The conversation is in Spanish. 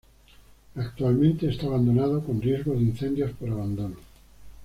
Actualmente está abandonado, con riesgo de incendio por abandono.